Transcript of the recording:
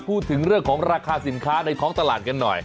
พูดถึงเรื่องของราคาสินค้าในท้องตลาดกันหน่อย